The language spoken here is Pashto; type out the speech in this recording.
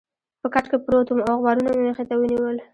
په کټ کې پروت وم او اخبارونه مې مخې ته ونیول.